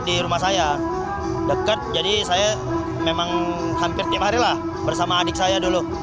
di rumah saya dekat jadi saya memang hampir tiap hari lah bersama adik saya dulu